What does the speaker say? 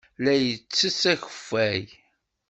La yettess akeffay.